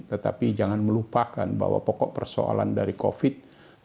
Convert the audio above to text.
tetapi jangan melupakan bahwa pokok persoalan dari covid